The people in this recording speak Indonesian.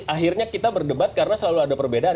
akhirnya kita berdebat karena selalu ada perbedaan